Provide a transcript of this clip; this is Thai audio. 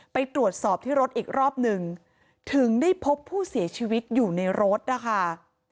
ไปตรวจสอบที่รถอีกรอบหนึ่งถึงได้พบผู้เสียชีวิตอยู่ในรถนะคะ